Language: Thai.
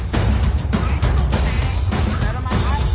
แต่ก็ไม่รู้ว่าจะมีใครอยู่ข้างหลัง